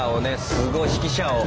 すごい指揮者を。